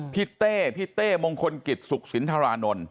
เต้พี่เต้มงคลกิจสุขสินทรานนท์